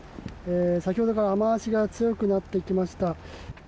先ほどから雨脚が強くなってきました。